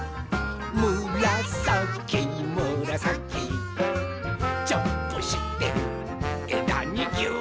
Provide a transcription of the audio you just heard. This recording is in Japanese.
「むらさきむらさき」「ジャンプしてえだにぎゅう！」